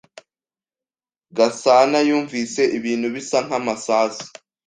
Gasanayumvise ibintu bisa nkamasasu.